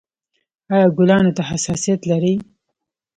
ایا ګلانو ته حساسیت لرئ؟